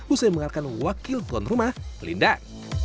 usai mengalahkan wakil konruma lindan